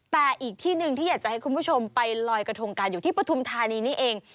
แต่อีกที่หนึ่งที่อยากจะให้คุณผู้ชมไปลอยกระทงกันอยู่ที่ปฐุมธานีนี่เอง